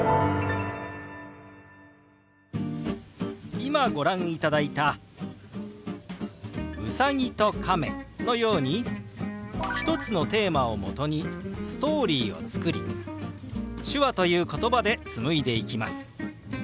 今ご覧いただいた「ウサギとカメ」のように１つのテーマをもとにストーリーを作り手話ということばで紡いでいきます。